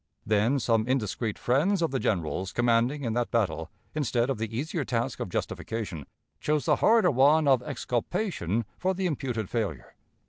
Then some indiscreet friends of the generals commanding in that battle, instead of the easier task of justification, chose the harder one of exculpation for the imputed failure.